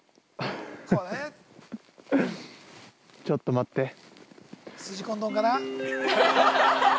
ちょっと待って。